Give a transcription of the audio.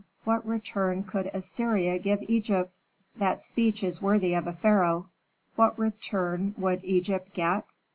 What return could Assyria give Egypt?" "That speech is worthy of a pharaoh. What return would Egypt get?